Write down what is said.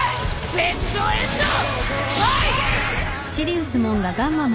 デッドエンドスパイク！